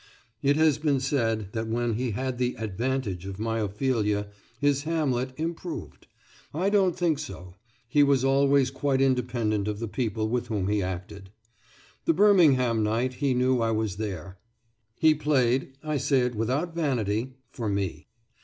It has been said that when he had the "advantage" of my Ophelia his Hamlet "improved." I don't think so; he was always quite independent of the people with whom he acted. The Birmingham night he knew I was there. He played I say it without vanity for me.